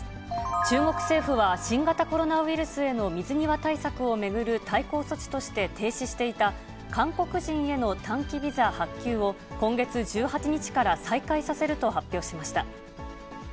中国政府は、新型コロナウイルスへの水際対策を巡る対抗措置として停止していた、韓国人への短期ビザ発給を、今月１８日から再開させると発表しました。